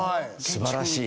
素晴らしい。